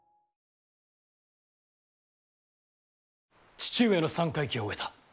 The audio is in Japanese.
父上の三回忌を終えた。